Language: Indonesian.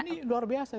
ini luar biasa